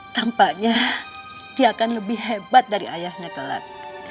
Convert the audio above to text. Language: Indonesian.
tampaknya dia akan lebih hebat dari ayahnya kelak